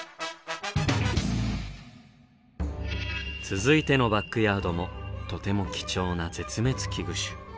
続いてのバックヤードもとても貴重な絶滅危惧種。